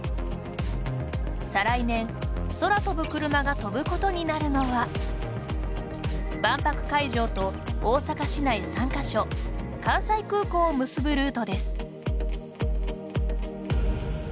再来年、空飛ぶクルマが飛ぶことになるのは万博会場と大阪市内３か所関西空港を結ぶルートです。